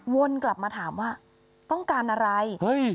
วนกลับมาถามว่าต้องการอะไร